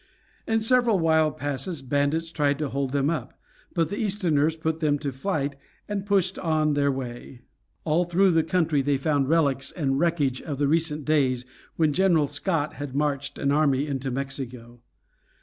In several wild passes bandits tried to hold them up, but the Easterners put them to flight and pushed on their way. All through the country they found relics and wreckage of the recent days when General Scott had marched an army into Mexico.